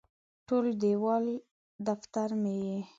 ټول دیوان دفتر مې یې